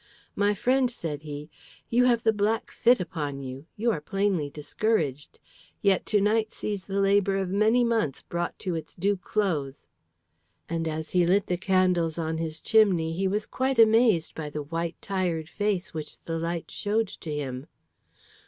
"My friend," said he, "you have the black fit upon you; you are plainly discouraged. Yet to night sees the labour of many months brought to its due close;" and as he lit the candles on his chimney, he was quite amazed by the white, tired face which the light showed to him.